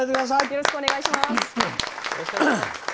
よろしくお願いします。